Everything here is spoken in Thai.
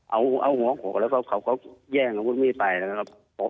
เอาหัวโขกแล้วก็เขาแย่งเอาพวกนี้ไปแล้วครับ